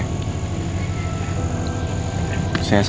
kau masih banyak ya